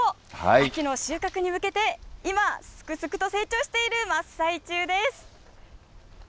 秋の収穫に向けて、今、すくすくと成長している真っ最中です。